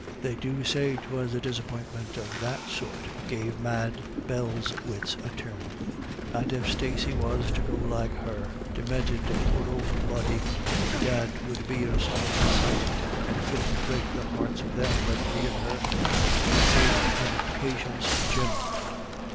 They do say 'twas a disappointment of that sort gave Mad Bell's wits a turn ; and if Stacey was to go like her, deminted poor ould body, bedad 'twould be a sorrowful sight, and fit to break the hearts of them that rared her — Sakes and patience, Jim